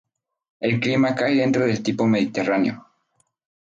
El clima cae dentro del tipo mediterráneo.